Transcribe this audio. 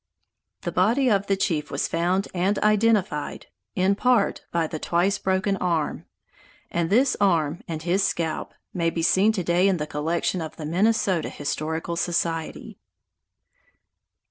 The body of the chief was found and identified, in part by the twice broken arm, and this arm and his scalp may be seen to day in the collection of the Minnesota Historical Society.